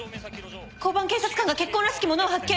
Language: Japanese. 交番警察官が血痕らしきものを発見！